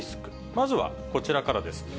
まずはこちらからです。